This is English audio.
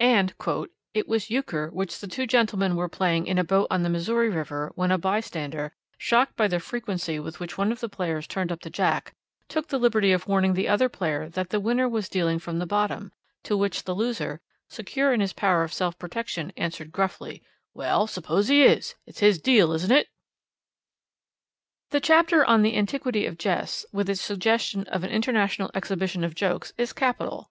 And 'it was Euchre which the two gentlemen were playing in a boat on the Missouri River when a bystander, shocked by the frequency with which one of the players turned up the jack, took the liberty of warning the other player that the winner was dealing from the bottom, to which the loser, secure in his power of self protection, answered gruffly, "Well, suppose he is it's his deal, isn't it?"' The chapter On the Antiquity of Jests, with its suggestion of an International Exhibition of Jokes, is capital.